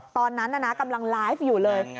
ตอนนั้นกำลังไลฟ์อยู่เลย